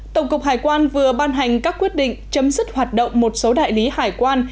tổng cục hải quan vừa ban hành các quyết định chấm dứt hoạt động một số đại lý hải quan